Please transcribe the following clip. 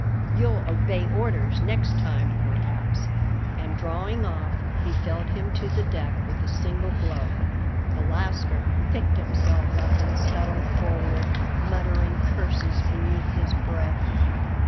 You'll obey orders next time, perhaps;" and drawing off, he felled him to the deck with a single blow. The lascar picked himself up and scuttled forward, muttering curses beneath his breath.